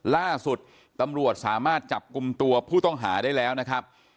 ล่าสุดตำรวจสามารถจับกลุ่มตัวผู้ต้องหาได้แล้วนะครับ